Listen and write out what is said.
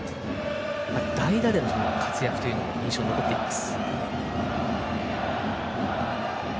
代打での活躍も印象に残っています。